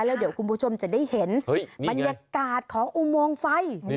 แล้วเดี๋ยวคุณผู้ชมจะได้เห็นบรรยากาศของอุโมงไฟ